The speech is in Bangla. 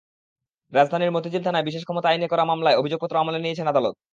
রাজধানীর মতিঝিল থানায় বিশেষ ক্ষমতা আইনে করা মামলার অভিযোগপত্র আমলে নিয়েছেন আদালত।